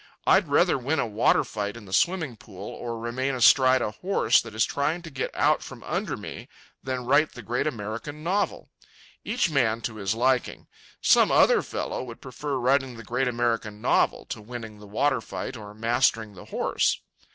I'd rather win a water fight in the swimming pool, or remain astride a horse that is trying to get out from under me, than write the great American novel. Each man to his liking. Some other fellow would prefer writing the great American novel to winning the water fight or mastering the horse.